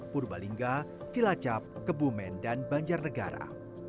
purbalingga cilacap kebumen dan banjarnegara